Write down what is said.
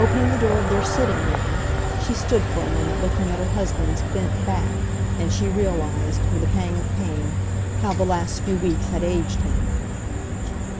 Opening the door of their sitting room, she stood for a moment looking at her husband's bent back, and she realised, with a pang of pain, how the last few weeks had aged him.